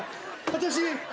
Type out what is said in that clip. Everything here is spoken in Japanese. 私。